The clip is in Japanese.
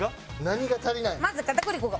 何が足りない？